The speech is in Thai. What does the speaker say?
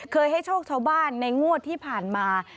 ให้โชคชาวบ้านในงวดที่ผ่านมา